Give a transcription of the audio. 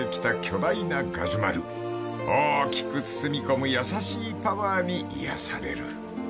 ［大きく包み込む優しいパワーに癒やされる］